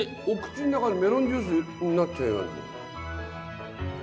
お口ん中でメロンジュースになっちゃうよ。